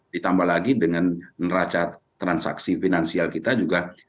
ditambah lagi dengan neraca transaksi finansial kita juga